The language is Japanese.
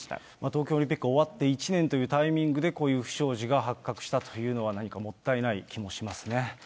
東京オリンピック終わって１年というタイミングで、こういう不祥事が発覚したというのは、何かもったいない気もしますね。